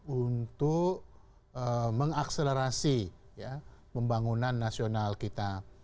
untuk mengakselerasi pembangunan nasional kita